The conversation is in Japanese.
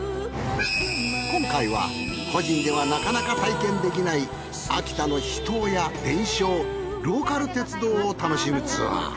今回は個人ではなかなか体験できない秋田の秘湯や伝承ローカル鉄道を楽しむツアー。